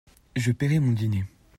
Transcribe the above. Je paierai mon dîner.